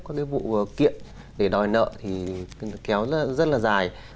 các cái vụ kiện để đòi nợ thì kéo rất là dài